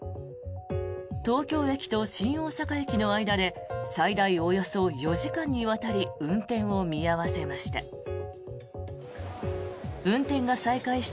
東京駅と新大阪駅の間で最大およそ４時間にわたり運転を見合わせました。